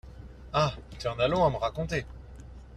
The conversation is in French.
Ah ! tu en as long à me raconter !